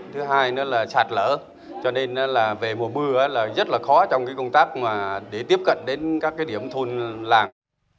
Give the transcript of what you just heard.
thứ hai là chạt lỡ cho nên về mùa mưa rất khó trong công tác để tiếp cận đến các điểm thôn làng